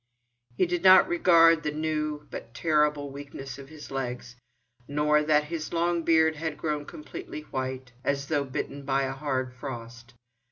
He did not regard the new, but terrible, weakness of his legs, nor that his long beard had grown completely white, as though bitten by a hard frost.